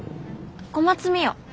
小松澪。